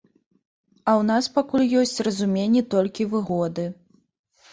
А ў нас пакуль ёсць разуменне толькі выгоды.